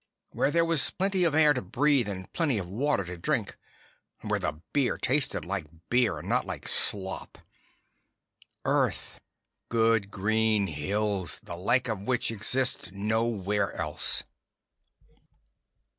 Where there was plenty of air to breathe and plenty of water to drink. Where the beer tasted like beer and not like slop. Earth. Good green hills, the like of which exists nowhere else.